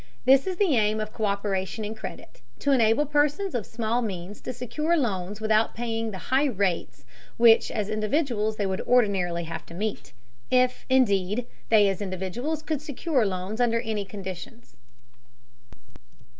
This is the aim of co÷peration in credit: to enable persons of small means to secure loans without paying the high rates which as individuals they would ordinarily have to meet, if, indeed, they as individuals could secure loans under any conditions.